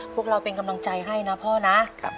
พวกเราเป็นกำลังใจให้นะพ่อนะ